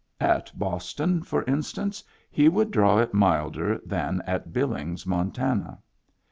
At Boston, for instance, he would draw it milder than at Billings, Montana.